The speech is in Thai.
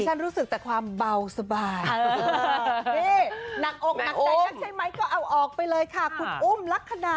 นักอกนักใจนักใช่มั้ยก็เอาออกไปเลยค่ะ